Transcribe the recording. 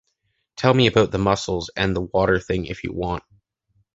Tell me about the muscles and the water thing, if you want.